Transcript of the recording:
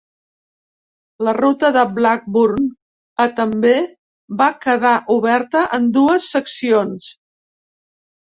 La ruta de Blackburn a també va quedar oberta en dues seccions.